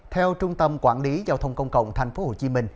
theo trung tâm quản lý giao thông công cộng tp hcm